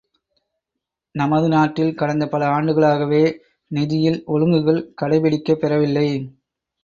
நமது நாட்டில் கடந்த பல ஆண்டுகளாகவே நிதியில் ஒழுங்குகள் கடைப்பிடிக்கப் பெறவில்லை.